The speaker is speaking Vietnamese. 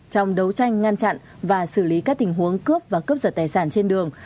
trong đấu tranh ngăn chặn và xử lý các tình huống cướp và cướp giật tài sản trên đường